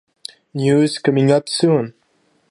News coming up soon.